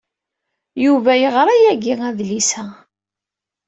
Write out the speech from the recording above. Yuba yeɣra yagi adlis-a.